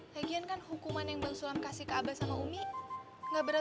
lagian kan hukuman yang bang sulam kasih ke aba sama umi nggak berat berat amat